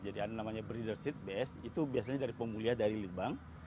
jadi ada namanya breeder seat bs itu biasanya dari pemuliha dari libang